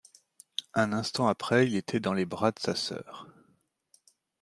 Un instant après, il était dans les bras de sa sœur.